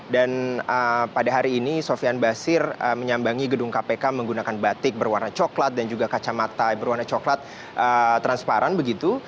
dan pada hari ini sofian basir menyambangi gedung kpk menggunakan batik berwarna coklat dan juga kacamata berwarna coklat transparan begitu